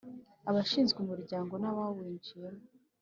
Abashinze umuryango n abawinjiyemo